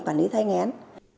quản lý thai nghén